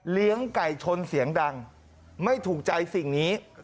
ไก่ชนเสียงดังไม่ถูกใจสิ่งนี้